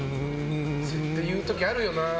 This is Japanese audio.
言う時あるよな。